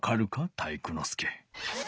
体育ノ介。